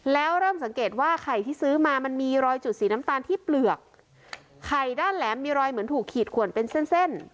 แล้วเริ่มสังเกตว่าไข่ที่ซื้อมามันมีรอยจุดสีน้ำตาลที่เปลือกไข่ด้านแหลมมีรอยเหมือนถูกขีดขวนเป็นเส้นเส้น